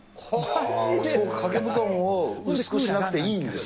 掛け布団を薄くしなくそうなんです。